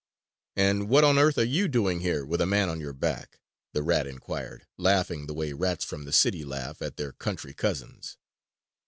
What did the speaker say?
"And what on earth are you doing here with a man on your back?" the rat inquired, laughing the way rats from the city laugh at their country cousins.